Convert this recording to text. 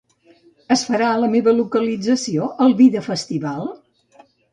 Es farà a la meva localització el "Vida Festival"?